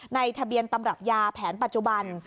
ทะเบียนตำรับยาแผนปัจจุบัน